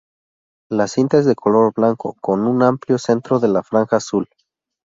La cinta es de color blanco con un amplio centro de la franja azul.